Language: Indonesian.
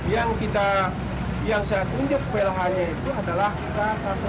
yang saya tunjuk plh nya itu adalah kkplb